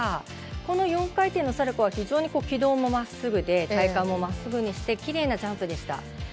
この４回転のサルコーは非常に軌道もまっすぐで体幹もまっすぐにしてきれいなジャンプでした。